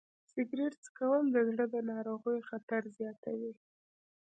سګریټ څکول د زړه د ناروغیو خطر زیاتوي.